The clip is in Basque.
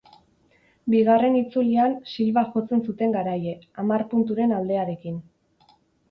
Bigarren itzulian Silva jotzen zuten garaile, hamar punturen aldearekin.